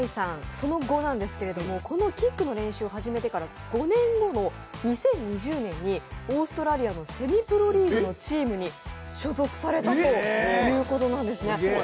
その後なんですが、キックを始めてから５年後の２０２０年にオーストラリアのセミプロリーグのチームに所属されたということなんですね。